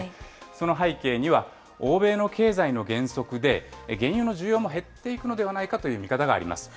その背景には、欧米の経済の減速で、原油の需要も減っていくのではないかという見方があります。